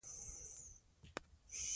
د وطن په هره لوټه کې زموږ وینه ده.